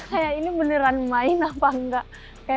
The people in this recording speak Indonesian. kayak ini beneran main apa enggak